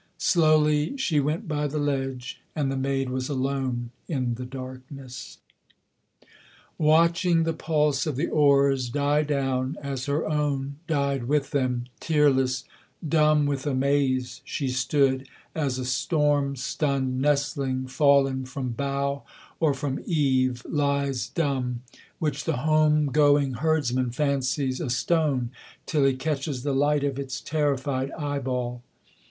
Slowly she went by the ledge; and the maid was alone in the darkness. Watching the pulse of the oars die down, as her own died with them, Tearless, dumb with amaze she stood, as a storm stunned nestling Fallen from bough or from eave lies dumb, which the home going herdsman Fancies a stone, till he catches the light of its terrified eyeball.